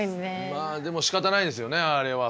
まあでもしかたないですよねあれは。